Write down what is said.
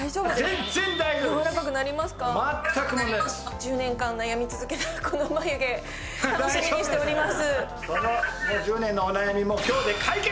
１０年間悩み続けたこの眉毛、楽しみにしております。